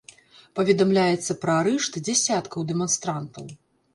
Паведамляецца пра арышт дзясяткаў дэманстрантаў.